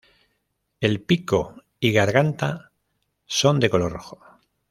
El pico y garganta son de color rojo.